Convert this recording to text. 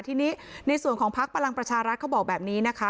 ทีนี้ในส่วนของพักพลังประชารัฐเขาบอกแบบนี้นะคะ